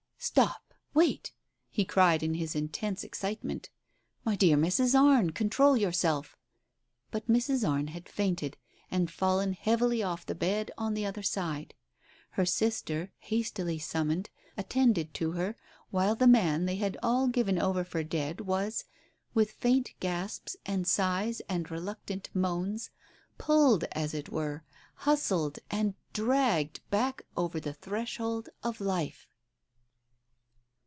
"Stop! Wait!" he cried in his intense excitement. "My dear Mrs. Arne, control yourself! " But Mrs. Arne had fainted, and fallen heavily off the bed on the other sfde. Her sister, hastily summoned, H2 Digitized by Google ioo TALES OF THE UNEASY attended to her, while the man they had all given over for dead was, with faint gasps and sighs and reluctant moans, pulled, as it were, hustled and dragged back over the threshold of life.